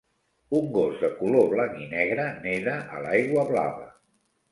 Un gos de color blanc i negre neda a l'aigua blava.